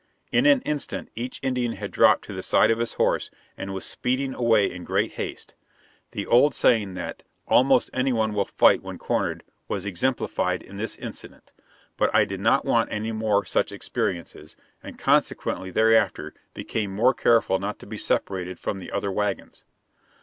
In an instant each Indian had dropped to the side of his horse and was speeding away in great haste. The old saying that "almost any one will fight when cornered" was exemplified in this incident; but I did not want any more such experiences, and consequently thereafter became more careful not to be separated from the other wagons.